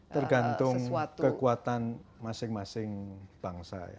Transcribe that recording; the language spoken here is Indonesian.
tergantung kekuatan masing masing bangsa ya